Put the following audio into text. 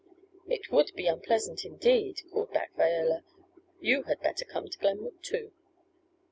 "It would be unpleasant indeed!" called back Viola. "You had better come to Glenwood too!"